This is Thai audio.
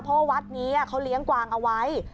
เพราะวัดนี้เขาเลี้ยงกวางเอาไว้